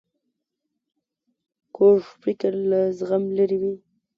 کوږ فکر له زغم لیرې وي